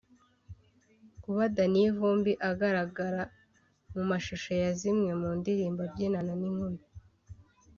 Kuba Danny Vumbi agaragara mu mashusho ya zimwe mu ndirimbo abyinana n’inkumi